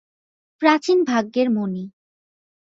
প্রাচীন ভাগ্যের মণি।